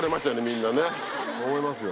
みんなね思いますよ。